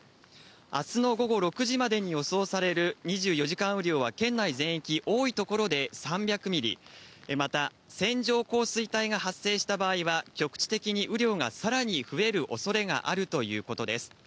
あすの午後６時までに予想される２４時間雨量は県内全域、多い所で３００ミリ、また線状降水帯が発生した場合は局地的に雨量がさらに増えるおそれがあるということです。